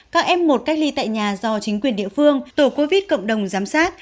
các f một cách ly tại nhà do chính quyền địa phương tổ covid cộng đồng giám sát